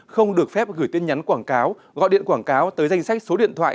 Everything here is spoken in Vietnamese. không được phép gửi tin nhắn quảng cáo gọi điện quảng cáo tới danh sách số điện thoại